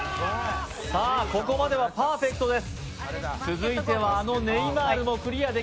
ここまではパーフェクトです。